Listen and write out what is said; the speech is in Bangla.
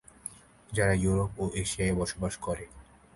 যারা ইউরোপ ও এশিয়ায় বসবাস করে।